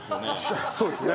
そうですね。